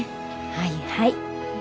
はいはい。